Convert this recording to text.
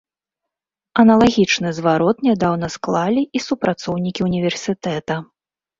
Аналагічны зварот нядаўна склалі і супрацоўнікі ўніверсітэта.